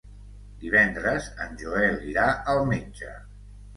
Divendres en Joel irà al metge.